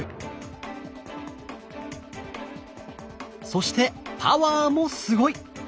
そしてパワーもすごい！